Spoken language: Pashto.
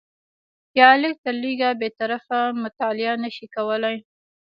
یا لږ تر لږه بې طرفه مطالعه نه شي کولای